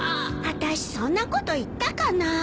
私そんなこと言ったかな？